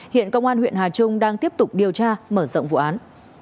hiện công an huyện hà trung đang tiếp tục điều tra mở rộng vụ án